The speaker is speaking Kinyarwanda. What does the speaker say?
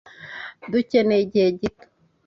Dukeneye igihe gito.